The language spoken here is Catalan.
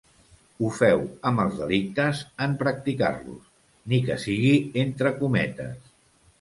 Ho féu amb els delictes en practicar-los, ni qui sigui entre cometes.